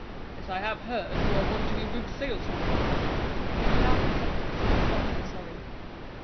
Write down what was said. "And as I have heard you are wanting a good saleswoman—" Vinçard affected to be awfully sorry.